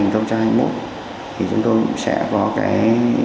thì chúng tôi sẽ có cái